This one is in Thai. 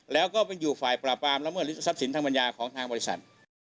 แล้วก็อยู่ฝ่ายปราปรามละเมิดลิสิตทรัพย์สินธรรมนิยาของทางบริษัท